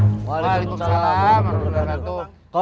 waalaikumsalam warahmatullahi wabarakatuh